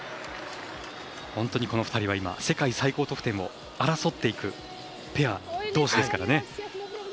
本当にこの２人は今世界最高得点を争っていくペアどうしですからね。